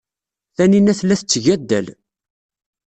Taninna tella tetteg addal.